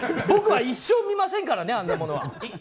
僕は一生見ませんからねあんなものは。